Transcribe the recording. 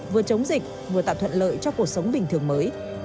vừa chống dịch vừa tạo thuận lợi cho cuộc sống bình thường mới